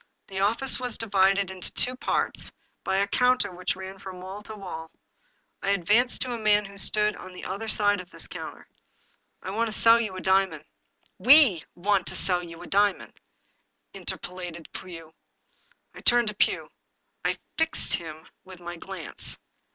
The office was divided into two parts by a counter which ran from wall to wall. I advanced to a man who stood on the other side of this counter. "I want to sell you a diamond." " We want to sell you a diamond," interpolated Pugh. I turned to Pugh. I " fixed " him with my glance.